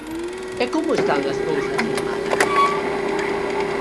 E como están as cousas en Málaga?